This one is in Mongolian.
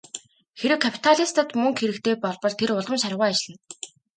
Хэрэв капиталистад мөнгө хэрэгтэй болбол тэр улам шаргуу ажиллана.